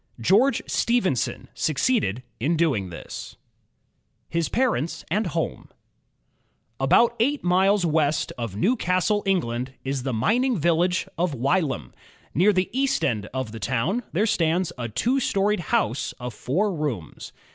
George Stephenson succeeded in doing this. george stephenson 5 1 His Parents and Home About eight miles west of Newcastle, England, is the mining village of Wylam. Near the east end of the town there stands a two storied house of four rooms.